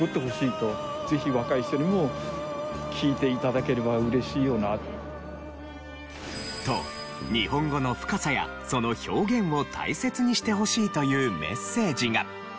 だから世界中から見ても。と日本語の深さやその表現を大切にしてほしいというメッセージが。